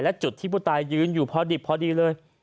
และจุดที่ผู้ตายยืนอยู่พอดิบพอดีเลย